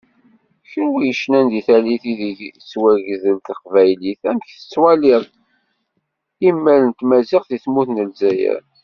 Kunwi yecnan di tallit ideg tettwagdel teqbaylit, amek tettwaliḍ imal n tmaziɣt di tmurt n Lezzayer?